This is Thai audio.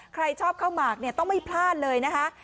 ใครชอบข้าวหมากเนี่ยต้องไม่พลาดเลยนะคะ